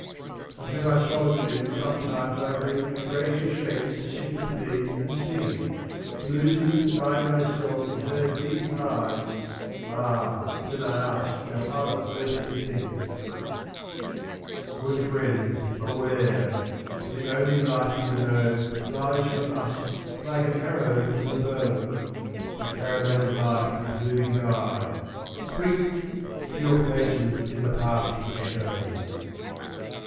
32 And to my solitude sometimes I bring A gracious shape to sit with me and sing, 3 y Losing, to find, myself in her deep eyes — Ah ! then I ask no other earthly thing. Good friends, beware ! the only life we know Flies from us like an arrow from the bow, x^y.The caravan of life is moving by. Quick ! to your places in the passing show.